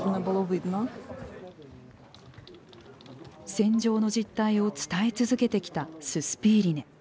戦場の実態を伝え続けてきたススピーリネ。